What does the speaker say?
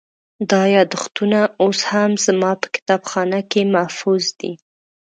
دا یادښتونه اوس هم زما په کتابخانه کې محفوظ دي.